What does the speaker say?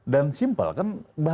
dan simpel kan